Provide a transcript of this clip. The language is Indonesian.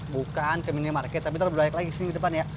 bukan ke minimarket tapi ntar berlayak lagi sini ke depan ya